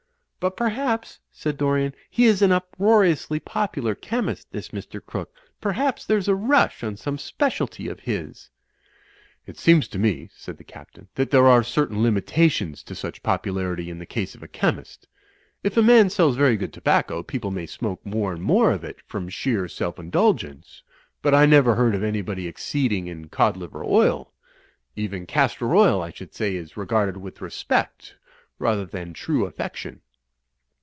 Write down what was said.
"But, perhaps," said Dorian, "he is an uproariously popular chemist, this Mr. Crooke. Perhaps there's a rush on some specialty of his." "It seems to me," said the Captain, "that there are certain limitations to such popularity in the case of a chemist. If a man sells very good tobacco, people 262 THE FLYING INN may smoke more and more of it from sheer self indulgence. But I never heard of anybody exceeding in cod liver oil. Even castor oil, I should say, is re garded with respect rather than true affection."